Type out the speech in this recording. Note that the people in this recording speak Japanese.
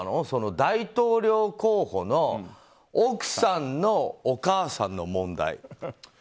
大統領候補の奥さんのお母さんの問題。